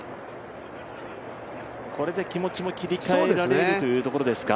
これで気持ちも切り替えられるというところですか？